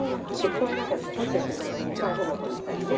これなんか取っておいてねお裁縫箱にしたりね